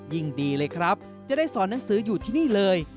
ยิ่งดีเลยครับจะได้สอนหนังสืออยู่ที่นี่เลย